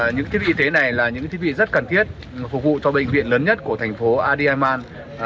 những thiết bị y tế này là những thiết bị rất cần thiết phục vụ cho bệnh viện lớn nhất của thành phố adiman